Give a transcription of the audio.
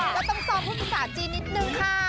เราต้องซ้อมภาษาจีนนิดหนึ่งค่ะ